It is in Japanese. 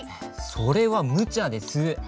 それはむちゃです。